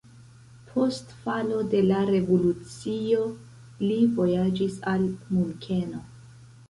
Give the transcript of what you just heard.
Post falo de la revolucio li vojaĝis al Munkeno.